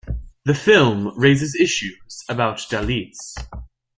The film raises issues about Dalits.